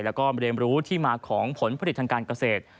แล้วก็เรียนรู้ที่มาของผลผลิตทางการเกษตร